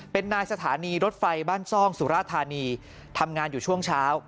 เป็นนายสถานีรถไฟบ้านซ่องสุราธานีทำงานอยู่ช่วงเช้า